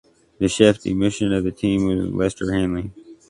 The chef de mission of the team was Lester Hanley.